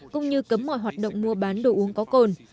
cũng như cấm mọi hoạt động mua bán đồ uống có cồn